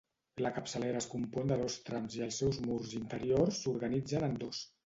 La capçalera es compon de dos trams i els seus murs interiors s'organitzen en dos.